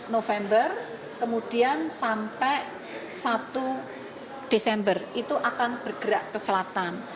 november kemudian sampai satu desember itu akan bergerak ke selatan